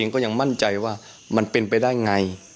ก็ยังมั่นใจว่ามันเป็นไปได้ไง